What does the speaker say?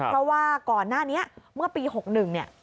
เพราะว่าก่อนหน้านี้เมื่อปี๖๑เนี่ย